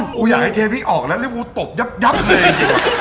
กูอยากให้เทพี่ออกแล้วแล้วกูตบยับเลย